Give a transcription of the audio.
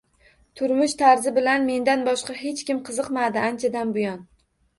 Turmush tarzi bilan mendan boshqa hech kim qiziqmadi anchadan buyon